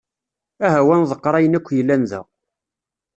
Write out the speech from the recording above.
Aha-w ad nḍeqqer ayen akk yellan da.